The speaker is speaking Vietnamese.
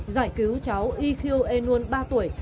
giải cứu cháu y khiu e nuôn ba tuổi